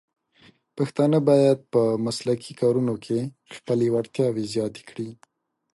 پښتانه بايد په مسلکي کارونو کې خپلې وړتیاوې زیاتې کړي.